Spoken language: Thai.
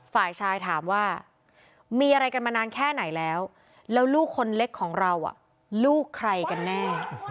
ฝ่ายชายถามว่ามีอะไรกันมานานแค่ไหนแล้วแล้วลูกคนเล็กของเราลูกใครกันแน่